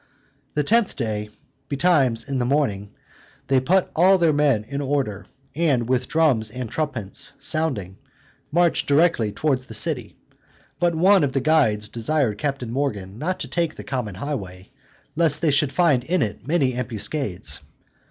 The tenth day, betimes in the morning, they put all their men in order, and, with drums and trumpets sounding, marched directly towards the city; but one of the guides desired Captain Morgan not to take the common highway, lest they should find in it many ambuscades.